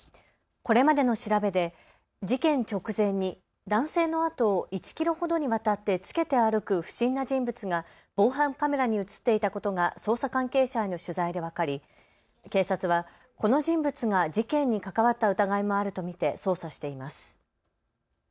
これまでの調べで事件直前に男性の後を１キロほどにわたってつけて歩く不審な人物が防犯カメラに写っていたことが捜査関係者への取材で分かり警察はこの人物が事件に関わった疑いもあると見て捜査しています。